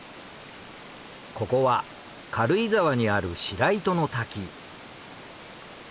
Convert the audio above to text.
ここは軽井沢にある白糸の滝。